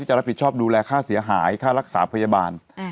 จะรับผิดชอบดูแลค่าเสียหายค่ารักษาพยาบาล